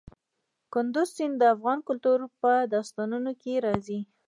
کندز سیند د افغان کلتور په داستانونو کې راځي.